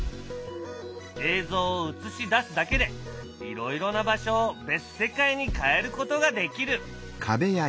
映像を映し出すだけでいろいろな場所を別世界に変えることができる。